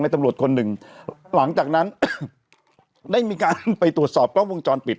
ตำรวจคนหนึ่งหลังจากนั้นได้มีการไปตรวจสอบกล้องวงจรปิด